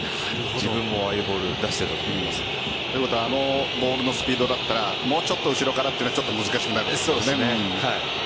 自分もああいうボールをあのボールのスピードだったらもうちょっと後ろからというのは難しくなるんですかね。